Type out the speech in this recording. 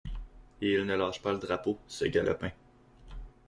Et il ne lâche pas le drapeau, ce galopin!